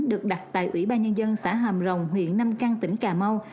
được đặt tại ủy ban nhân dân xã hàm rồng huyện nam căng tỉnh cà mau